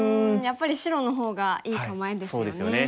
やっぱり白の方がいい構えですよね。